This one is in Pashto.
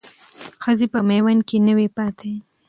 ښځې په میوند کې نه وې پاتې.